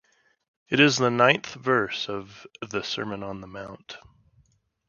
It is the ninth verse of the Sermon on the Mount.